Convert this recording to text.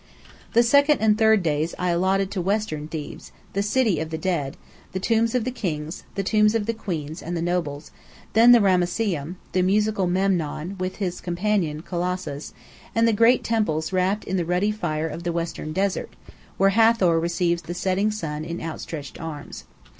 The second and third days I allotted to western Thebes, the city of the dead: the tombs of the Kings, the tombs of the Queens and the Nobles; then the Ramesseum, the "Musical Memnon" with his companion Colossus, and the great temples wrapped in the ruddy fire of the western desert, where Hathor receives the setting sun in outstretched arms.